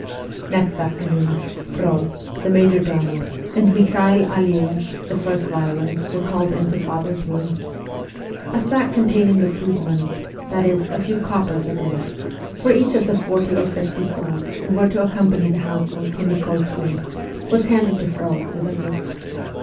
Next afternoon, Frol, the major domo, and Mikhael Aleeff, the first violin, were called into father's room. A sack containing the ' food money ' that is, a few coppers a day for each of the forty or fifty souls who were to accompany the household to Nik61skoye, was handed to Frol, with a list.